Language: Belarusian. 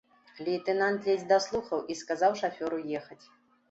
Лейтэнант ледзь даслухаў і сказаў шафёру ехаць.